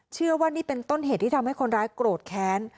เชื่อว่านี่เป็นต้นเหตุที่ทำให้คนร้ายโกรธแค้น